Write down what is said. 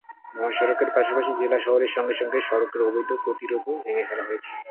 মহাসড়কের পাশাপাশি জেলা শহরের সঙ্গে অন্য সড়কের অবৈধ গতিরোধকও ভেঙে ফেলা হয়েছে।